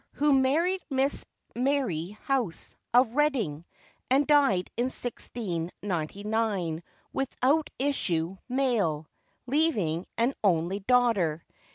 who married Miss Mary House, of Reading, and died in 1699, without issue male, leaving an only daughter.